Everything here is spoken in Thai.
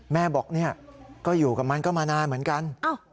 แม่บอกเนี่ยก็อยู่กับมันก็มานานเหมือนกัน